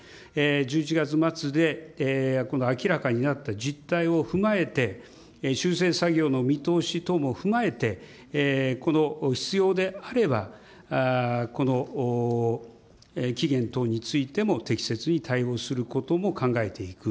１１月末で明らかになった実態を踏まえて、修正作業の見通し等も踏まえて、この必要であれば、期限等についても適切に対応することも考えていく。